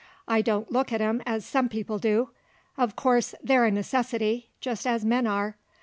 I don't look at 'em as some people do; uv course they're a necessity just as men are.